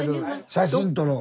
写真撮ろう。